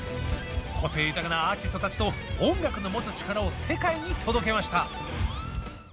個性豊かなアーティストたちと音楽の持つ力を世界に届けました。